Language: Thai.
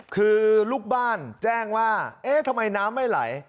คือลูกบ้านแจ้งว่าเอ๊ะทำไมน้ำไม่ไหล